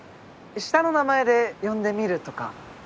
下の名前で呼んでみるとか。